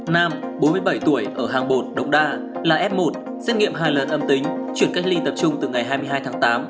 nam bốn mươi bảy tuổi ở hàng bột đống đa là f một xét nghiệm hai lần âm tính chuyển cách ly tập trung từ ngày hai mươi hai tháng tám